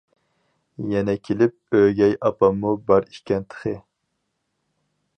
يەنە كېلىپ ئۆگەي ئاپاممۇ بار ئىكەن تېخى!